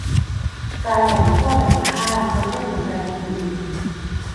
การแบ่งขั้วแบ่งข้างจนไม่สนใจคนอื่น